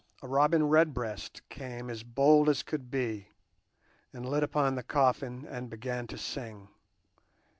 A robin redbreast came as bold as could be and lit upon the coffin and began to sing.